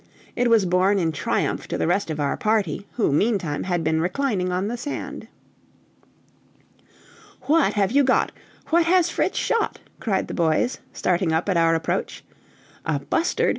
It was borne in triumph to the rest of our party, who meantime had been reclining on the sand. "What have you got?" "What has Fritz shot?" cried the boys, starting up at our approach. "A bustard!